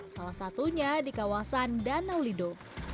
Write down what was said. salah satunya di kawasan danau lido